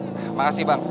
terima kasih bang